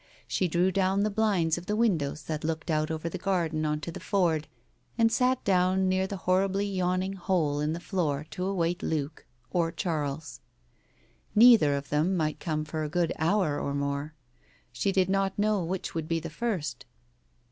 She drew down the blinds of the windows that looked out over the garden on to the ford, and sat down near the horribly yawning hole in the flooring to await Luke — or Charles. Neither of them might come for a good hour or more. She did not know which would be the first.